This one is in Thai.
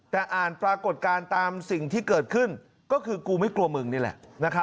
แต่อ่านปรากฏการณ์ตามสิ่งที่เกิดขึ้นก็คือกูไม่กลัวมึงนี่แหละ